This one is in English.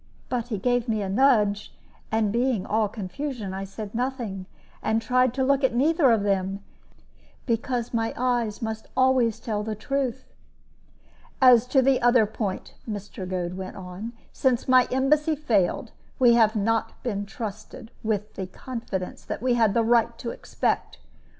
But he gave me a nudge; and being all confusion, I said nothing, and tried to look at neither of them, because my eyes must always tell the truth. "As to the other point," Mr. Goad went on; "since my embassy failed, we have not been trusted with the confidence we had the right to expect.